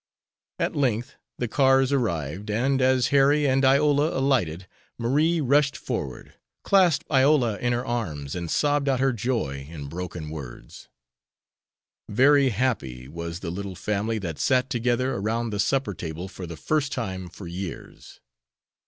At length the cars arrived, and, as Harry and Iola alighted, Marie rushed forward, clasped Iola in her arms and sobbed out her joy in broken words. Very happy was the little family that sat together around the supper table for the first time for years.